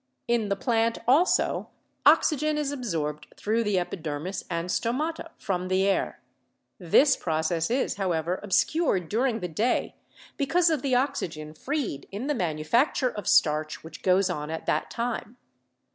In the plant also oxygen is absorbed through the epidermis and stomata from the air. This process is, however, obscured during the day because of the oxygen freed in the manufacture of starch which goes on at that time.